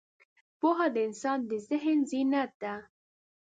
پوهه د انسان د ذهن زینت ده.